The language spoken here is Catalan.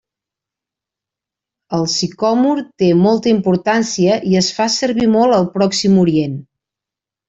El sicòmor té molta importància i es fa servir molt al Pròxim Orient.